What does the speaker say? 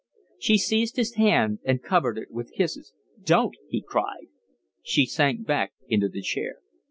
She seized his hand and covered it with kisses. "Don't," he cried. She sank back into the chair.